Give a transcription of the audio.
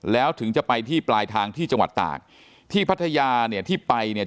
แล้วถึงจะไปที่ปลายทางที่จังหวัดตากที่พัทยาเนี่ยที่ไปเนี่ย